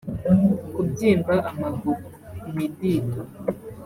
kubyimba amaguru (imidido)